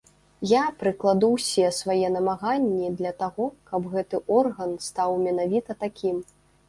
Я прыкладу ўсе свае намаганні для таго, каб гэты орган стаў менавіта такім.